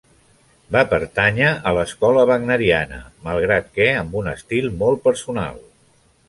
Va pertànyer a l'escola wagneriana, malgrat que amb un estil molt personal.